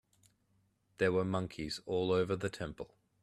There were monkeys all over the temple.